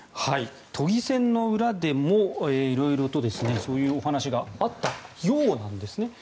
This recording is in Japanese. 都議選の裏でも色々とそういうお話があったようなんですね。